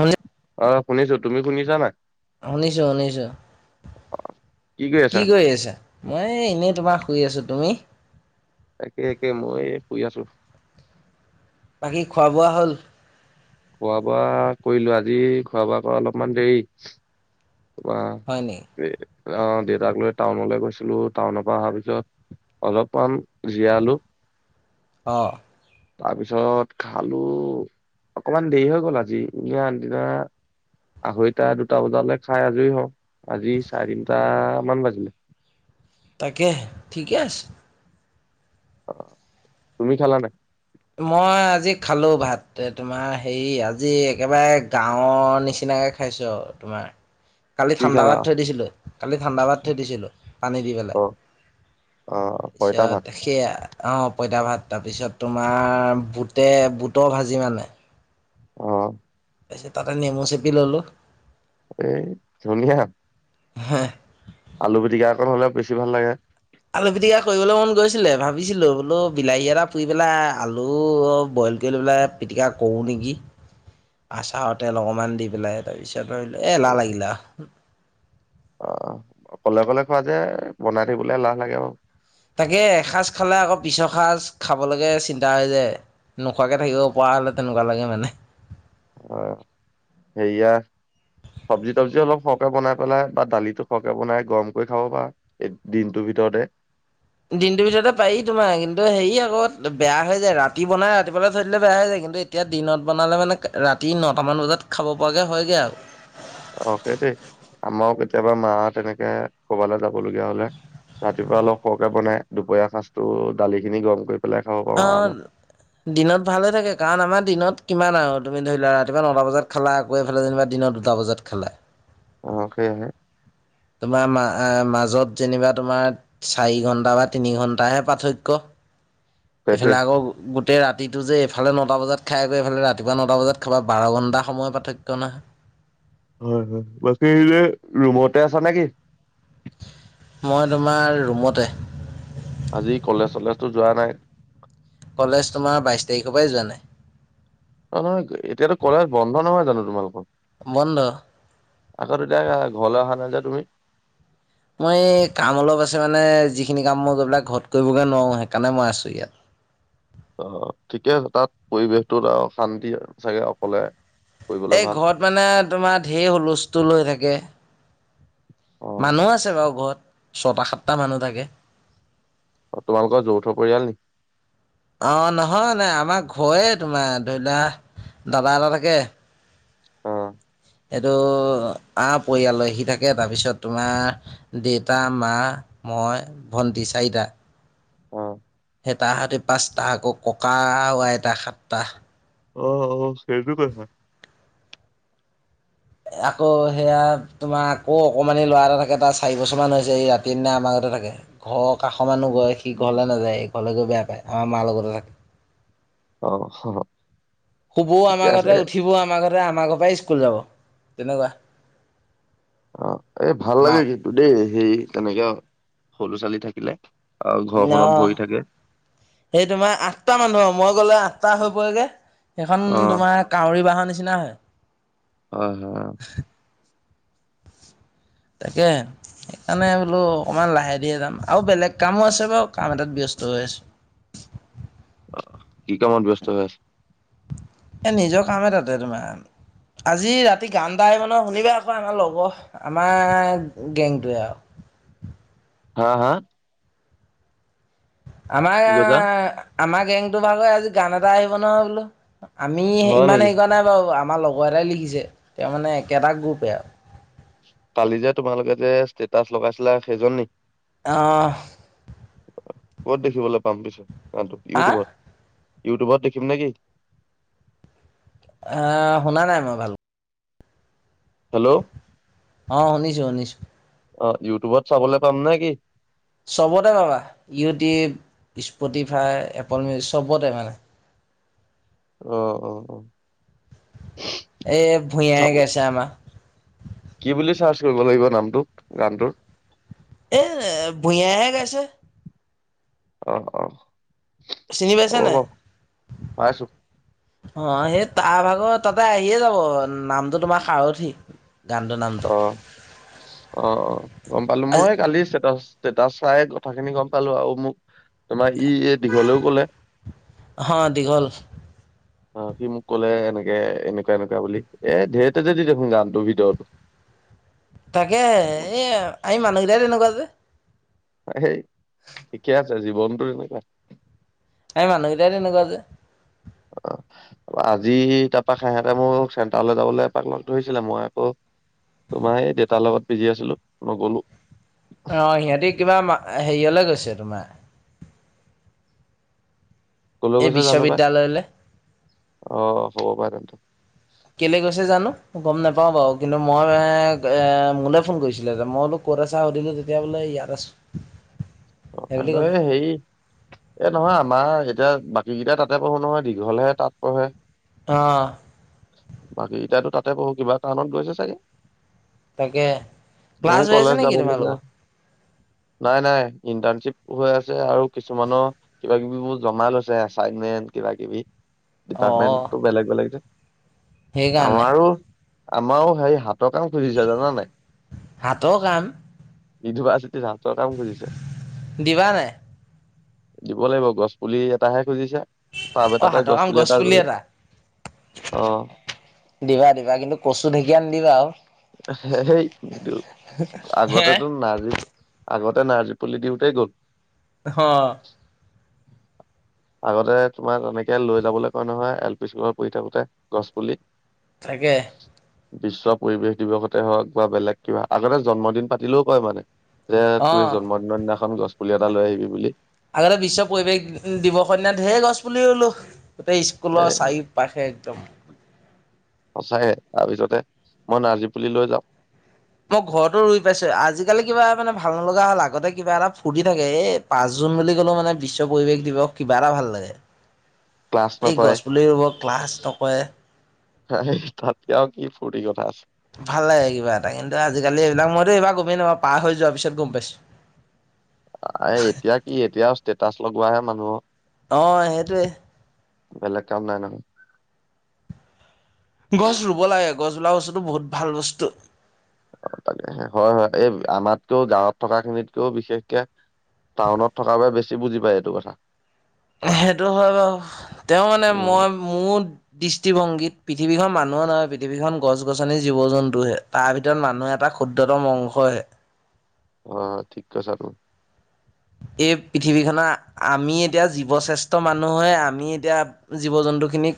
অনি অ শুনিছো তুমি শুনিছা নাই শুনিছো শুনিছো কি কৰি আছা মই এনেই তোমাক শুই আছোঁ তুমি। একে একে মই শুই আছো বাকী খোৱা বোৱা হ'ল। খোৱা বোৱা কৰিলো আজি খোৱা বোৱা কৰা অলপমান দেৰি। হয় নেকি? অ দেউতাক লৈ টাউনলৈ গৈছিলো টাউনৰ পৰা অহাৰ পিছত। অলপমান জীয়ালো। অ তাৰপিছত খালো অকমান দেৰি হৈ গ'ল আজি এ আনদিনা- আঢ়ৈটা দুটা বজালৈ খাই আজৰি হওঁ। আজি চাৰে তিনিটামান বাজিলে। তাকে ঠিকে আছে। অ তুমি খালা নাই? মই আজি খালো ভাত তোমাৰ হেৰি আজি একেবাৰে গাঁৱৰ নিচিনা- তেনেকে খাইছো তোমাৰ- কালি কি ঠাণ্ডা খালা? ভাত থৈ দিছিলোঁ। কালি ঠাণ্ডা পাত থৈ দিছিলোঁ পানী দি পেলাই। অ', অ', পইতা তাৰপিছত ভাত সেইয়া- অ পঁইতা ভাত তাৰপিছত তোমাৰ বুটে বুটৰ ভাজি মানে। অ। তাৰপিছত তাতে নেমু চেপি ল'লোঁ। এ ধুনীয়া। হেহ। আলু পিটিকা অকণ হলে বেছি ভাল লাগে। আলু পিটিকা কৰিবলৈ মন গৈছিলে। ভাবিছিলো বোলো বিলাহী এটা পুৰি পেলাই আলু- বইল কৰি পেলাই পিটিকা কৰোঁ নেকি। আচাৰৰ তেল অকণমান দি পেলাই তাৰপিছত- এ এলাহ লাগিলে। অকলে অকলে খোৱা যে বনাই থিকিবলৈ এলাহ লাগে অ। তাকে এসাঁজ খালে আকৌ পিছৰ সাঁজ খাবলৈকে চিন্তা হৈ যায়। নোখোৱাকে থাকিব পৰা হ'লে তেনেকুৱা লাগে মানে। অহ সেয়া- চব্জি তবজি অলপ সৰহকে বনাই পেলাই বা দালিটো সৰহকে বনাই গৰম কৰি খাব বা দিনটো- ভিতৰতে। দিনটোৰ ভিতৰতে পাৰি তোমাৰ কিন্তু হেৰি আকৌ বেয়া হৈ যায় ৰাতি বনাই ৰাতিপোৱালৈ থৈ দিলে বেয়া হৈ যায়গে। কিন্তু এতিয়া দিনত বনালে মানে ৰাতি নটামান বজাত খাব পৰাকৈ হয়গৈ আৰু। অ', সেইটোৱে। আমাৰো কেতিয়াবা মা তেনেকে কৰবালৈ যাব লগীয়া হলে- ৰাতিপুৱা অলপ সৰহকে বনাই দুপৰীয়া সাঁজটো দালি খিনি গৰম কৰি। পেলাই খাব পাৰো অ আৰামত। দিনত ভালে থাকে কাৰণ আমাৰ দিনত- কিমান আৰু তুমি ধৰি লোৱা ৰাতিপুৱা নটা বজাত খালা আকৌ এফালে যেনিবা দিনৰ দুটা বজাত খলা। অ সেইয়াহে। তোমাৰ ম মাজত যেনিবা তোমাৰ চাৰি ঘন্টা বা তিনি ঘন্টাহে পাৰ্থক্য। [unintelligible] সেইটোৱে। এইফালে আকৌ গো-। গোটেই ৰাতিটো যে এইফালে নটা বজাত খাই গৈ এইফালে ৰাতিপুৱা নটা বজাত খাবা বাৰ ঘণ্টা সময় পাৰ্থক্য নহয়। হয় হয়, বাকী ৰুমতে আছা নেকি? মই তোমাৰ ৰুমতে। আজি কলেজ চলেজতো যোৱা নাই। ঘৰৰ পৰাই যোৱা নাই। অ নহয় এতিয়াতো কলেজ বন্ধ নহয় জানো তোমালোকৰ? বন্ধ। আকৌ তেতিয়া ঘৰলৈ অহা নাই যে তুমি। মই কাম অলপ আছে মানে যিখিনি কাম মই গৈ পেলাই ঘৰত কৰিবগৈ নোৱাৰো সেইকাৰণে মই আছো ইয়াত। অ ঠিকে আছে তাত পৰিৱেশটোত আৰু শান্তি চাগে অকলে। কৰিবলৈ এই ভাল। ঘৰত মানে তোমাৰ ধেৰি হুলষ্টোল হৈ থাকে। অ', মানুহো আছে বাৰু ঘৰত ছটা সাতটা মানুহ থাকে। তোমালোকৰ যৌথ পৰিয়াল নেকি? অ নহয় মানে আমাৰ-। হয় তোমাৰ ধৰি লোৱা দাদা এটা থাকে-। অ', এইটো আ পৰিয়াললৈ আহি থাকে তাৰপিছত তোমাৰ দেউতা, মা-। মই, ভণ্টি চাৰিটা। অ। হেতাহতি পাঁচটা, আকৌ ককা -আইতা সাতটা। অ অ সেইটো কথা। আকৌ সেয়া তোমাৰ আকৌ অকমানি ল'ৰা এটা থাকে, তাৰ চাৰি বছৰমানান হৈছে এই ৰাতি দিনা আমাৰ। থাকে ঘৰ। কাষৰ মানুহ গৈ সি ঘৰলৈ নাযায়, সি ঘৰলৈ গৈ বেয়া পায় আমাৰ মাৰ লগতে থাকে। অ হব। শুবও আমাৰ ঘতে, উঠিবও আমাৰ ঘতে, আমাৰ ঘৰ পৰাই স্কুল যাব তেনেকুৱা। অ এ ভাল মা লাগে কিন্তু দেই সেই তেনেকে সৰু ছোৱালী থাকিলে। আৰু ন ঘৰখনত ভৰি থাকে। সেই তোমাৰ আঠটা মানুহ। মই গ'লে আঠটা হৈ পৰে যে, সেইখানে অ', তোমাৰ কাউৰী বাহৰ নিচিনা হয়। হয়, হয়, তাকে। সেইকাৰণে বোলো অকণমান লাহে ধীৰে যাম। আৰু বেলেগ কামো আছে যে, কাম এটাত ব্যস্ত হৈ আছো। অহ কি কামত ব্যস্ত হৈ আছা? এ নিজৰ কামে তাতে তোমাৰ। আজি ৰাতি গান গাই মানে শুনিবা আকৌ আমাৰ লগৰ আমাৰ গেংটোৱে আৰু। উ [unintelligible] হা হা? আমাৰ কি কৈছা? আহ আমাৰ গেংতো মানে আজি গান এটা আহিব নহয় বোলো। আমি হয় ইমান নেকি? হেৰি কৰাৱা নাই বাৰু। আমাৰ লগৰ এটাই লিখিছে। তেওঁ মানে একেটা গ্ৰুপে আৰু। কালি যে তোমালোকে যে ষ্টেটাচ লগাইছিলা সেইজন নেকি? অহ। কত দেখিবলৈ পাম পিছে গানটো আহ ইউটিউবত? ইউটিউবত দেখিম নেকি? অ শুনা নাই মই ভাল। হেল্ল',। অ শুনিছো শুনিছো। অ ইউটিউবত চাবলৈ পাম নে কি? চবতে পাবা। ইউটিউব, স্পটিফাই, এপল মিউজিক, চবতে মানে। অ অ অ। এই ভূঞাই চাব গাইছে আমাৰ। কি বুলি চাৰ্চ কৰিব লাগিব নামটোক গানটোৰ? এ ভূঞাহে গাইছে। অ অ চিনি পাইছা হব নাই? ব ভ আছো। অ সেই তাৰ ভাগৰ তাতে আহিয়ে যাব, নামটো তোমাৰ সাৰথি। গানটোৰ অ নামটো অ অ গম পালো। আজি মই কালি চটা- তে তাত চাই কথা খিনি গম পালো আৰু মোক তোমাৰ। ই দীঘলেও কলে। অ দীঘল অ সি মোক কলে এনেকে এনেকুৱা এনেকুৱা বুলি, এ ধঢেৰতে যেদি দেখোন গানটোৰ ভিতৰত। তাকে, এ আমি মানুহকিতাই তেনেকুৱা যে। সেই ঠিকে আছে জীৱনটো? আমি মনুহকিতাই তেনেকুৱা যে। অ। আজি তাৰপা হাঁহতে মোক চেণ্টাৰলৈ যাবলৈ এপাক লগ ধৰিছিলে মই আকৌ। তোমাৰ এই দেউতাৰ লগত বিজি আছিলো নগলো। অ সিহঁতি কিবা হেৰিয়লে গৈছে তোমাৰ। কলৈ এই গৈছে জানো পাই বিশ্ববিদ্যালয়লৈ। অ হব পাৰে কিন্তু। কেলে গৈছে জানো? ম গম নাপাও বাৱ কিন্তু মই মোলৈ ফোন কৰিছিলে। তে মই বুলো ক'ত আছা সুধিলে যেতিয়া বোলে, ইয়াত আছোঁ। অ আমাৰ হেৰি, এ নহয় আমাৰ। এতিয়া বাকীকেইটা তাতে পঢ় নহয়, দীঘলেহে তাত পঢ়ে। অ। বাকীকিতাইতো তাতে পঢ়, কিবা টাউনত গৈছে চাগে। তাকে মোৰ ক্লাছ হৈ আছে কলেজ নেকি যাব লগীয়া, তোমালোকৰ নাই নাই। ইন্টাৰ্নশ্বিপ হৈ আছে আৰু কিছুমানৰ কিবা কিবিবোৰ জমা লৈছে, এচাইনমেন্ট কিবা কিবি। অ ডিপাৰ্টমেণ্টটো বেলেগ বেলেগ যে, সেইকাৰণে আমাৰো। আমাৰো হেৰি হাতৰ কাম খুজিছে জানা নাই? হাতৰ কাম ইউনিভাৰ্চিটিত আৰ্টছৰ কাম খুজিছে। দিবা নাই? দিব লাগিব, গছ পুলি এটাহে। খুজিছে, তাব এতাতে গছ পুলি এটা ৰুই, অহ। দিবা দিবা, কিন্তু কচু ঢেঁকীয়া নিদিবা আৱ। সেইট নিদু হে আগতেতো নাজিব। আগতে নাৰ্জী পুলি দিওঁতে গ'ল। হ। [unintelligible] আগতে তোমাৰ তেনেকে লৈ যাবলে কয় নহয় এল পি স্কুলত পঢ়ি থাকোতে গছ পুলি। তাকে। বিশ্ব পৰিৱেশ দিৱসতে হওক বা বেলেগ কিবা। আগতে জন্মদিন পাতিলেও কয় মানে। এ তুৱে অ জন্মদিনৰ দিনাখন গছ পুলি এটা লৈ আহিবি বুলি। আগতে বিশ্ব পৰিৱেশ দিৱস দিনা ঢেৰ গছ পুলি ৰুলো। গোটেই এ স্কুলৰ চাৰিওপাশে একদম। সঁচাইে, তাৰপিছতে মই নাৰ্জী পুলি লৈ যাওঁ। মই ঘৰতো ৰুই পাইছো। আজিকালি কিবা মানে ভাল নলগা হ'ল আগতে কিবা এটা ফুৰ্তি থাকে এই পাঁচ। জুন বুলি ক'লে মানে বিশ্ব পৰিৱেশ দিৱস কিবা এটা ভাল লাগে। ক্লাছ এই নকৰে। গছপুলি ৰুব, ক্লাছ নকয়। হয়। ভাল লাগে কিবা এটা। কিন্তু আজিকালি এইবিলাক মইতো এইবাৰ গমেই নাপাওঁ। পাৰ হৈ যোৱা পিছত গম পাইছোঁ। আ এতিয়া কি এতিয়া ষ্টেটাচ লগোৱাহে মানুহক। অ সেইটোৱে। বেলেক কাম নাই নহয়। গছ ৰুব লাগে, গছ বোলা বস্তুটো বহুত ভাল বস্তু। তাকেহে, হয় হয়। এই আমাতকেও গাঁৱত থকা খিনিতকেও বিশেষকে। টাউনত থকাৰ বাবে বেছি বুজি পায় এইটো কথা। সেইটো হয় বাৱ। তেওঁ মানে উম মই মোৰ দৃষ্টিভংগী। পৃথিৱীখন মানুহ নহয়, পৃথিৱীখন গছ গছনিৰ জীৱ জন্তুহে। তাৰ ভিতৰত মানুহে এটা ক্ষুদ্ৰতম অংশহে। অ ঠিক কৈছ এতো। এই পৃথিৱী খনৰ আমি এতিয়া জীৱশ্ৰেষ্ঠ মানুহে আমি এতিয়া জীৱ জন্তু। বন্ধুখিনিক।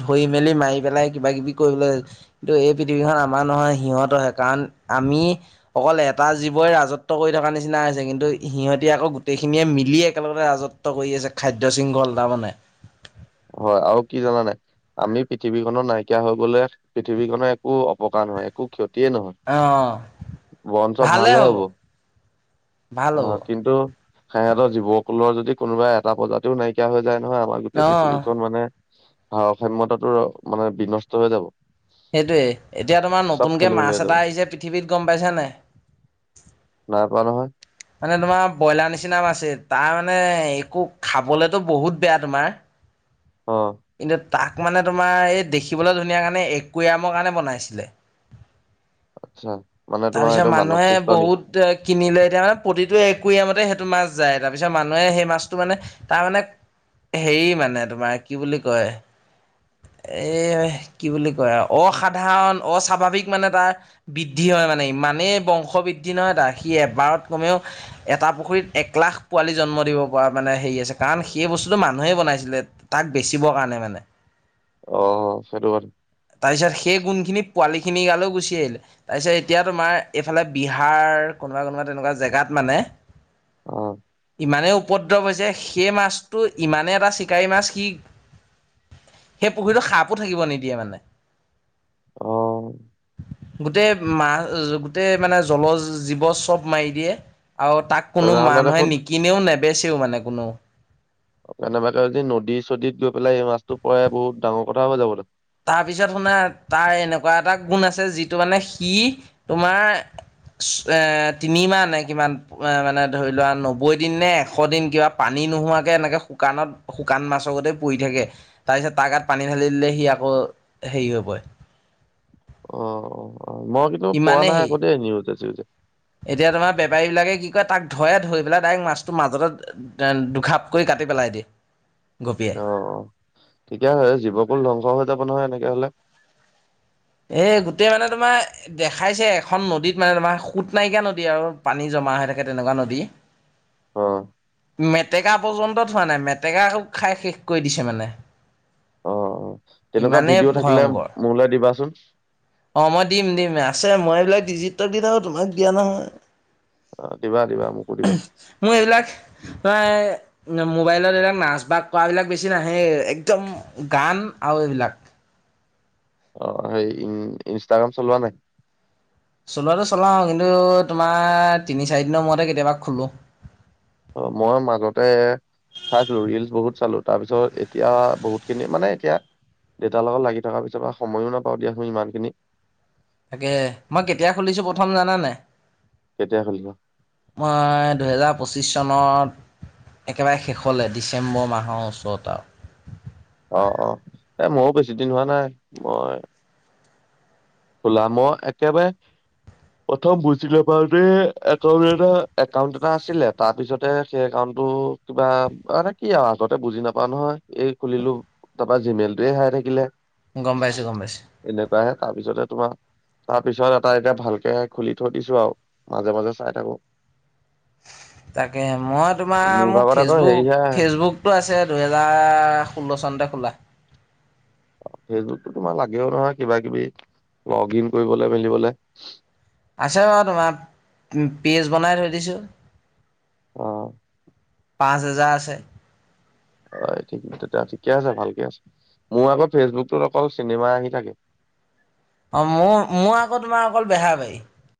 ধৰি মেলি মাৰি পেলাই কিবা কিবি কৰিবলৈ, কিন্তু এই পৃথিৱীখন আমাৰ নহয় সিহঁতহে কাৰণ। আমি অকল এটা জীৱই ৰাজত্ব কৰি থকা নিচিনা হৈছে। কিন্তু, সিহঁতি আকৌ গোটেইখিনিয়ে মিলি একেলগে ৰাজত্ব কৰি আছে। খাদ্য শৃংখল তাৰমানে। হয় আৱ কি জানা নাই? আমি পৃথিৱীখনত নাইকিয়া হৈ গলে পৃথিৱীখনৰ একো অপকাৰ নহয়, একো ক্ষতি। য়ে নহয়। অ বৰঞ্চ ভালহে হব। ভাল হ'ব। সিহঁতৰ জীৱ কুলৰ যদি কোনোবা এটা প্ৰজাতিও নাইকিয়া হৈ যায় নহয়। আমাৰ গোটেই অ', পৃথিৱীখন মানে সাৰাহাইমূহ মানে বিনষ্ট হৈ যাব। সেইটোৱেই এতিয়া তোমাৰ চব নতুনকে খেলি মেলি হৈ মাছ যাব এটা আহিছে পৃথিৱীত গম পাইছানে নাই। নাই পোৱা নহয়। মানে তোমাৰ ব্ৰইলাৰ নিচিনা আছে তাৰ মানে একো খাবলেতো বহুত বেয়া তোমাৰ। অ কিন্তু। তাক মানে তোমাৰ এই দেখিবলৈ ধুনীয়া কাৰণে একুৱেয়ামৰ কাৰণে বনাইছিলে। আচ্ছা মানে তোমাৰ তাৰপিছত সেইটো মানৱ মানুহে সৃষ্ট নি বহুত এ কিনিলে এতিয়া মানে প্ৰতিটো এক। কুয়াম মতে সেইটো মাছ যায় তাৰ পিছত মানুহে সেই মাছটো মানে তাৰ মানে। হেৰি মানে তোমাৰ কি বুলি কয়? এ কি বুলি কয় অসাধাৰণ অস্বাভাৱিক মানে তাৰ বৃদ্ধি হয়। হয় মনে ইমানে বগশ বিদ্ধি নহয় তাৰসি এবাৰত কমেও এটা পুখুৰীত একলাখ পোৱালি। জন্ম দিব পৰা মানে হেৰি আছে কাৰণ সেই বস্তুটো মানুহে বনাইছিলে তাক বেচিবৰ কাৰণে মানে। অ সেইটো কথা তাৰপিছত সেই গুণখিনি। পোৱালি খিনি গালেও গুচি আহিলে তাৰপিছত এতিয়া তোমাৰ এইফালে বিহাৰ কোনোবা কোনোবা তেনেকুৱা জেগাত। মানে [inaudible] অ ইমানেই উপদ্ৰৱ হৈছে। সেই মাছটো ইমানে এটা চিকাৰী মাছ। কি সেই পুখুৰীটো সাপো থাকিব নিদিয়ে মানে। অ। গোটেই মা গোটেই মানে জল জীৱ চব মাৰি দিয়ে। আৰু তাক কোনো তেনেহ'লে মানুহে দেখোন নিকিননেও নেবেচিও মানে কোনো। কেনেবাকে যদি নদী চদীত গৈ পেলাই এ মাছতটো পৰে বহুত ডাঙৰ কথা হয় যাব দেখোন। তাৰপিছত শুনা তাৰ এনেকুৱা এটা গুণ আছে যিটো মানে সি তোমাৰ। এ তিনি মাহনে কিমান মানে ধৰি লোৱা নব্বৈ দিন নে এশ দিন কিবা পানী। নোহোৱা কে এনেকে শুকানত শুকান মাছৰ গতে পৰি থাকে তাৰপিছত তাত পানী ঢাল দিলে সি। আকৌ হেৰি হবই। অ অ অ মই কিন্তু পোৱা নাই হেৰি আকৌ দেই নিউজে চিউজে। এতিয়া তোমাৰ বেপাৰী বিলাকে কি কয় তাক ধৰেধৰি পেলাই তাইক মাছটো মাজতে দুখাপকৈ কাট কাটি পেলাই দিয়ে। ৌ গপিয়াই অ অ ঠিকে আছে জীৱকুল ধ্বংস হৈ যাব নহয় এনেকে হ'লে। এ গোটেই মানে তোমাৰ দেখাইছে এখন নদীত মানে তোমাৰ সোত নাইকিয়া নদী আৰু পানী জম মা হৈ থাকে তেনেকুৱা নদী অ মেটেকা পৰ্যন্তত থোৱা নাই। মেটেকা খাই শেষ কৰি দিছে মানে। অ অ তেনেকুৱা ইমানেই ভিডিঅ' থাকিলে ভয়ংকৰ মোলে দিবাচোন অ মই দিম দিম আছে মই এইবিলাক ডিজিতত দি থাকো তোমাক দিয়া নহয়। অ দিবা দিবা মোকো দিবা উমহ, মোৰ এইবিলাক প্ৰায় মোবাইলত এইবিলাক নাচ বাগ কৰাবিলাক বেছি নাহেই একদম গান আৰু এইবিলাক অ সেই ই ইনষ্টাগ্ৰাম চলোৱা নাই? চলোৱাটো চলাওঁ কিন্তু তোমাৰ তিনি চাৰিদিনৰ মূৰতে কেতিয়াবা খোলো। অ মই মাজতে চাইছিলো ৰিলচ বহুত চালো তাৰ পিছত এতিয়া বহুত খিনি মানে এতিয়া দেউতাৰ লগত লাগি থকাৰ পিছৰ পা সময়ো নাপাওঁ দিয়াচোন ইমান খিনি তাকে মই কেতিয়া খুলিছো প্ৰথম জানা নাই কেতিয়া খুলিব মই দুহেজাৰ পঁচিশ চনত একেবাৰে শেষলে ডিচেম্বৰ মাহৰ ওচৰত আৱ অ অ এ মও বেছি দিন হোৱা নাই মই খোলা মই একেবাৰে প্ৰথম বুজি নাপাওঁতে একাউণ্ট এটা একাউণ্ট এটা আছিলে তাৰপিছতে সেই একাউণ্ট টো কিবা মানে কি আৱ আগতে বুজি নাপাওঁ নহয় এই খুলিলো তাপা জিমেইলটোয়ে হেৰাই থাকিলে গম পাইছোঁ গম পাইছোঁ তাপিছতে তোমাৰ তাৰ পিছত এটা এতিয়া ভালকে খুলি থৈ দিছোঁ আৱ মাজে মাজে চাই থাকো [inaudible] তাকে মই তোমাৰ মোৰ মোক ভাগত আকৌ ফেচবুক হেৰিহে আহে ফেচবুকটো আছে দুহেজাৰ ষোল্ল চনতে খোলা ফেচবুকটো তোমাৰ লাগেও নহয় কিবা কিবি লগ ইন কৰিবলে মেলিবলে আছে বাৰু তোমাৰ পেজ বনাই থৈ দিছোঁ অ পাঁচ হাজা হয় ঠিক ঠিকে আছে ভালকে আছে মোৰ আকৌ ফেচবুকটোত অকল চিনেমা আহি থাকে অ মোৰ মোৰ আকৌ তোমাৰ অকল বেহাৰবাৰী